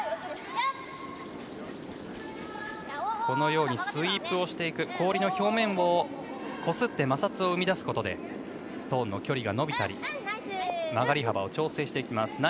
このようにスイープをしていく氷の表面をこすって摩擦を生み出すことでストーンの距離が伸びたり曲がり幅を調整していきます。